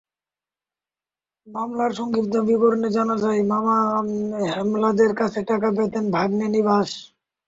মামলার সংক্ষিপ্ত বিবরণে জানা যায়, মামা হেমলালের কাছে টাকা পেতেন ভাগনে নিবাস।